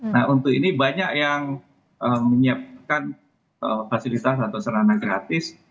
nah untuk ini banyak yang menyiapkan fasilitas atau serana gratis